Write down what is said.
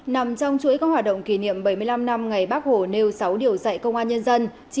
nằm trong chuỗi các hoạt động kỷ niệm bảy mươi năm năm ngày bác hồ nêu sáu điều dạy công an nhân dân